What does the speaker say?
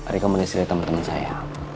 rekomendasikan ke teman teman saya